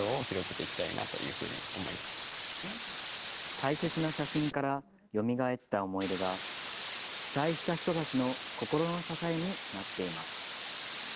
大切な写真からよみがえった思い出が、被災した人たちの心の支えになっています。